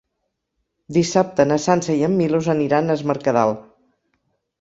Dissabte na Sança i en Milos aniran a Es Mercadal.